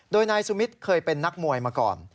โดยนายสุมิตรเคยเป็นนักมวยมาก่อน